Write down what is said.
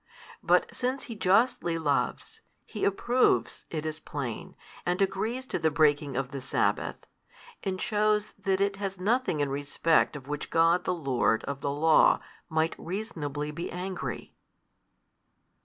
But since He justly loves, He approves, it is plain, and agrees to the breaking of the sabbath, and shews that it has nothing in respect of which God the Lord of the Law might reasonably be angry.